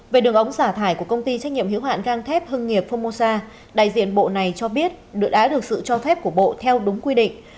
về đường ống xả thải của công ty trách nhiệm hữu hạn gang thép hưng nghiệp formosa đại diện bộ này cho biết đã được sự cho phép của bộ theo đúng quy định